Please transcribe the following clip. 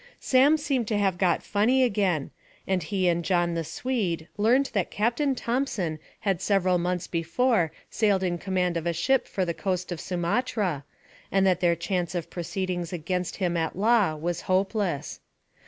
Sam seemed to have got funny again, and he and John the Swede learned that Captain Thompson had several months before sailed in command of a ship for the coast of Sumatra, and that their chance of proceedings against him at law was hopeless.